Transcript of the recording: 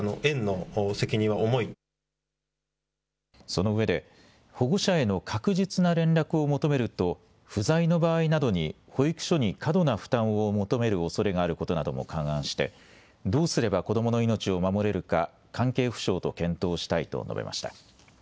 そのうえで保護者への確実な連絡を求めると不在の場合などに保育所に過度な負担を求めるおそれがあることなども勘案してどうすれば子どもの命を守れるか関係府省と検討したいと述べました。